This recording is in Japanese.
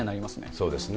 そうですね。